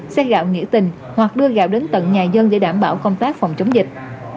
xe gạo nghĩa tình hoặc đưa gạo đến tận nhà dân để đảm bảo công tác phòng chống dịch